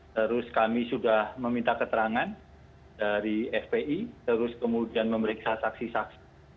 terus kami sudah meminta keterangan dari fpi terus kemudian memeriksa saksi saksi